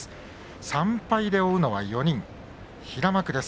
３敗で追うのは４人、平幕です。